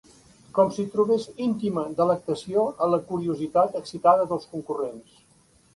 Com si trobés íntima delectació en la curiositat excitada dels concurrents.